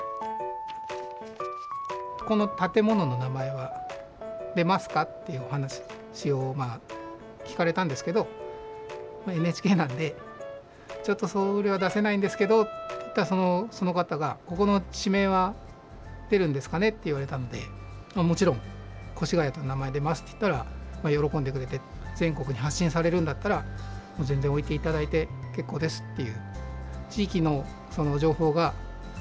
この建物の名前は出ますかというお話を聞かれたんですけどＮＨＫなんでちょっとそういうのは出せないんですけどって言ったらその方がここの地名は出るんですかね？と言われたのでもちろん越谷と名前出ますと言ったら、喜んでくれて全国に発信されるんだったら全然置いていただいて結構ですと。